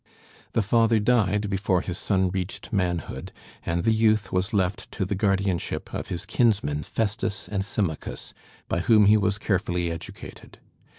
The father died before his son reached manhood; and the youth was left to the guardianship of his kinsmen Festus and Symmachus, by whom he was carefully educated.